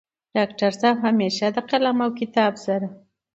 ډاکټر صيب همېشه د قلم او کتاب سره